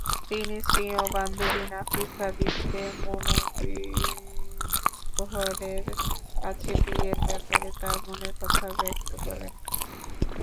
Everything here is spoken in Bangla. তিনি স্বীয় বান্ধবী নাফিসা বিনতে মুনব্বিহরের কাছে বিয়ের ব্যাপারে তার মনের কথা ব্যক্ত করেন।